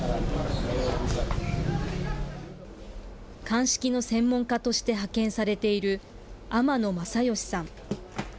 鑑識の専門家として派遣されている、天野正義さん。